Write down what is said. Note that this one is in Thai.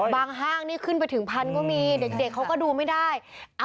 ห้างนี่ขึ้นไปถึงพันก็มีเด็กเขาก็ดูไม่ได้